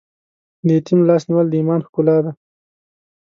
د یتیم لاس نیول د ایمان ښکلا ده.